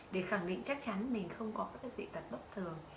để khẳng định chắc chắn mình không có các dị tật bất thường